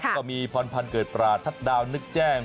ก็มีพรพันธ์เกิดปราทัศดาวนึกแจ้ง